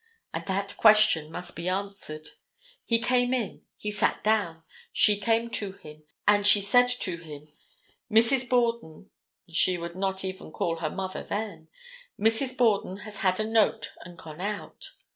And that question must be answered. He came in; he sat down; she came to him, and she said to him: "Mrs. Borden"—she would not even call her "mother" then—"Mrs. Borden has had a note and gone out."